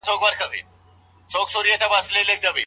په داسي حالاتو کي قاضي د څه سي حکم کوي؟